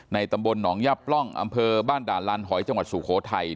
ตำบลหนองยับปล้องอำเภอบ้านด่านลานหอยจังหวัดสุโขทัย